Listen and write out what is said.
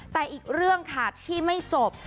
แต่อีกเรื่องค่ะที่ไม่จบ